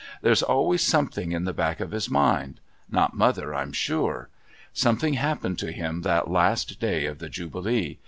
There's always something in the back of his mind not mother, I'm sure. Something happened to him that last day of the Jubilee.